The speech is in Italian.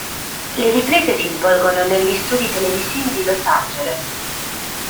Le riprese si svolgono negli studi televisivi di Los Angeles.